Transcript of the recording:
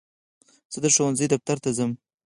زه د ښوونځي دفتر ته ځم.